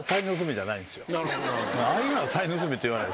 ああいうのはサイン盗みっていわない。